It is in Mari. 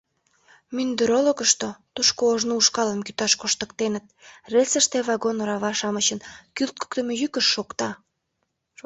Мӱндыр олыкышто, тушко ожно ушкалым кӱташ коштыктеныт, рельсыште вагон орава-шамычын кӱлткыктымӧ йӱкышт шокта.